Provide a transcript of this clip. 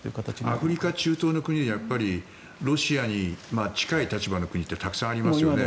アフリカ、中東の国はロシアに近い立場の国ってたくさんありますよね。